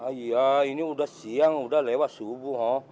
ayah ini sudah siang sudah lewat subuh